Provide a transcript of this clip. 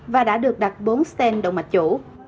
và đã được đặt bốn stent đồng mạch chủ